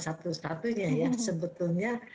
satu satunya ya sebetulnya